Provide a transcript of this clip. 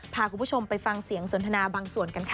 พาคุณผู้ชมไปฟังเสียงสนทนาบางส่วนกันค่ะ